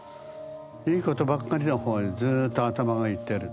いいことばっかりの方へずっと頭がいってる。